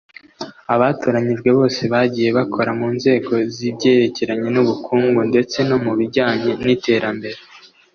Abatoranyijwe bose bagiye bakora mu nzego z’ibyerekeranye n’ubukungu ndetse no mu bbijyanye n‘iterambere